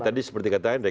ya tadi seperti kata andre